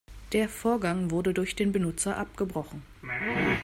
Der Vorgang wurde durch den Benutzer abgebrochen.